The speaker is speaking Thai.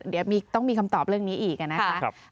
เดี๋ยวต้องมีคำตอบเรื่องนี้อีกนะครับ